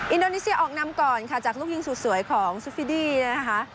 อินโดนีเซียออกนำก่อนค่ะจากลูกยิงสุดสวยของซุฟิดี้นะคะ